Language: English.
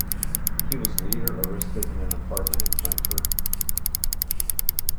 He was later arrested in an apartment in Frankfurt.